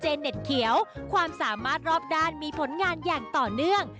เด็ดเขียวความสามารถรอบด้านมีผลงานอย่างต่อเนื่อง